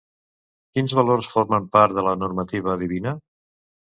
Quins valors formen part de la normativa divina?